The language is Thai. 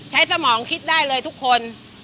สมองคิดได้เลยทุกคน